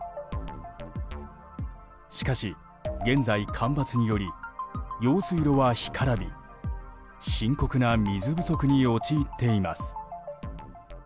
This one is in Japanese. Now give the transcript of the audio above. しかし現在、干ばつにより用水路は干からび深刻な水不足に陥っています。